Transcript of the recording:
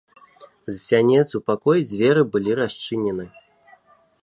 З сянец у пакой дзверы былі расчынены.